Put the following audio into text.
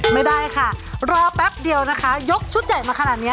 ไม่ได้ค่ะรอแป๊บเดียวนะคะยกชุดใหญ่มาขนาดนี้